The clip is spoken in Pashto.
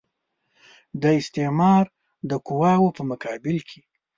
د استعمار د قواوو په مقابل کې.